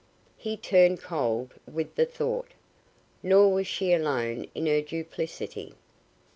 He turned cold with the thought. Nor was she alone in her duplicity.